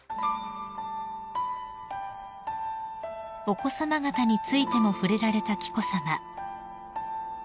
［お子さま方についても触れられた紀子さま］